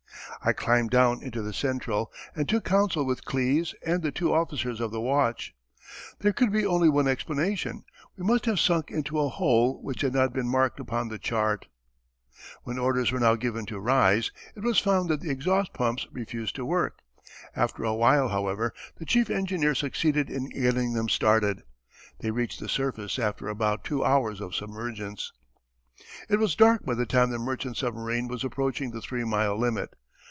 I climbed down into the central and took counsel with Klees and the two officers of the watch. There could be only one explanation; we must have sunk into a hole which had not been marked upon the chart. [Footnote 5: ©] [Illustration: Permission of Scientific American. A German Submarine in Three Positions.] When orders were now given to rise, it was found that the exhaust pumps refused to work. After a while, however, the chief engineer succeeded in getting them started. They reached the surface after about two hours of submergence. It was dark by the time the merchant submarine was approaching the three mile limit.